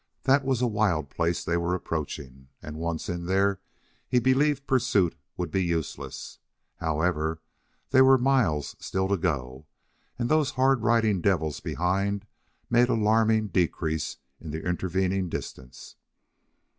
That was a wild place they were approaching, and, once in there, he believed pursuit would be useless. However, there were miles to go still, and those hard riding devils behind made alarming decrease in the intervening distance.